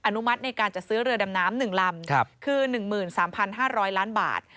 นุมัติในการจัดซื้อเรือดำน้ำ๑ลำคือ๑๓๕๐๐ล้านบาท